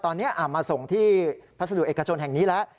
ตอนนี้มาส่งที่พัสดุเอกชนแห่งนี้แล้ว